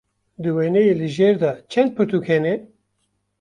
Di wêneyê li jêr de çend pirtûk hene?